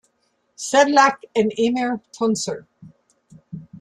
Sedlak, and Emre Tuncer.